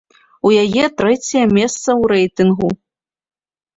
У яе трэцяе месца ў рэйтынгу.